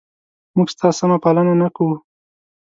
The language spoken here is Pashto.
موږ ستا سمه پالنه نه کوو؟